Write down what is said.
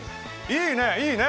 いいねいいね！